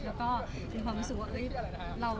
แล้วก็มีความรู้สึกว่า